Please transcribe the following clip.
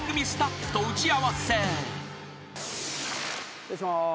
失礼します。